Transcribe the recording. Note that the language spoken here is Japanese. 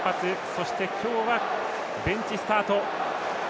そして、今日はベンチスタート。